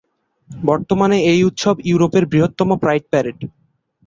বর্তমানে এই উৎসব ইউরোপের বৃহত্তম প্রাইড প্যারেড।